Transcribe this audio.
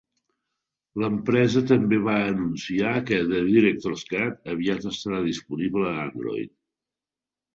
L'empresa també va anunciar que "The Director's Cut" aviat estarà disponible a Android.